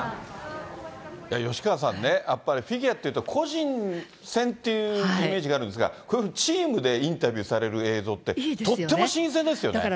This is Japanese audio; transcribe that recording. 吉川さんね、やっぱりフィギュアっていうと、個人戦っていうイメージがあるんですが、チームでインタビューされる映像ってとっても新鮮ですよね。